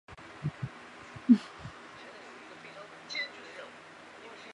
春日町为爱知县西部西春日井郡的町。